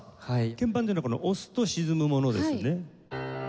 鍵盤というのは押すと沈むものですね。